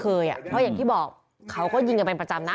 เพราะอย่างที่บอกเขาก็ยิงกันเป็นประจำนะ